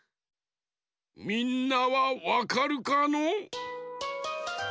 みんなはわかるかの？